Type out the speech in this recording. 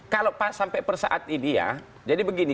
kalau sampai persaat ini ya jadi begini